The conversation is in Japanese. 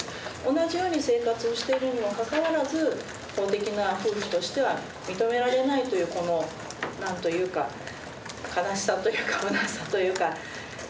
同じように生活をしているにもかかわらず法的な夫婦としては認められないというこの何というか悲しさというかむなしさというか。